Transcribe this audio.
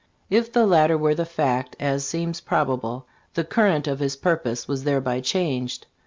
If the latter were the fact, as seems probable, the current of his purpose was thereby changed.